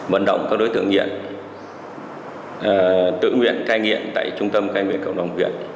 vận động các đối tượng nghiện tự nguyện cai nghiện tại trung tâm cai nguyện cộng đồng huyện